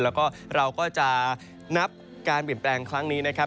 แล้วก็เราก็จะนับการเปลี่ยนแปลงครั้งนี้นะครับ